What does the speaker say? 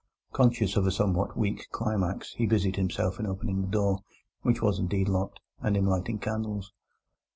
Conscious of a somewhat weak climax, he busied himself in opening the door (which was indeed locked) and in lighting candles.